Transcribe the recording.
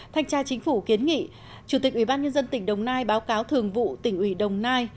thanh tra chính phủ kiến nghị chủ tịch ủy ban nhân dân tỉnh đồng nai báo cáo thường vụ tỉnh ủy đồng nai